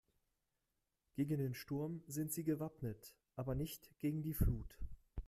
Gegen den Sturm sind sie gewappnet, aber nicht gegen die Flut.